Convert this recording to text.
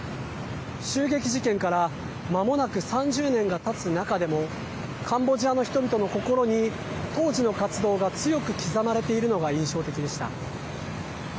襲撃事件からまもなく３０年がたつ中でもカンボジアの人々の心に当時の活動が強く刻まれているのが印象的でした。